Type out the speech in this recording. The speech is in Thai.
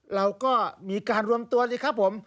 เราก็มีการรวมตัวสิครับผม